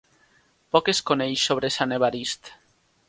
Poc es coneix sobre Sant Evarist.